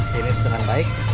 finish dengan baik